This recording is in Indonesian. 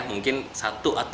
mungkin satu atau dua pelurunya